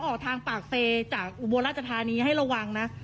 ออกทางปากเซจากอุบลราชธานีให้ระวังนะ